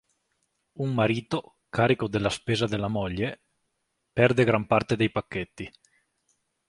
Un marito, carico della spesa della moglie, perde gran parte dei pacchetti.